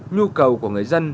nhu cầu của người dân